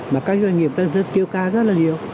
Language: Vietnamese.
mà các doanh nghiệp ta kêu ca rất là nhiều